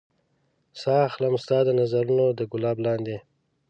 ساه اخلم ستا د نظرونو د ګلاب لاندې